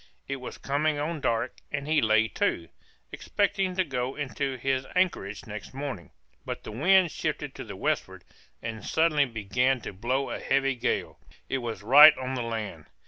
It was coming on dark and he lay to, expecting to go into his anchorage next morning, but the wind shifted to the westward, and suddenly began to blow a heavy gale; it was right on the land.